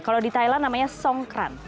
kalau di thailand namanya songkran